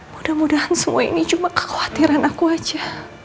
mudah mudahan semua ini cuma kekhawatiran aku saja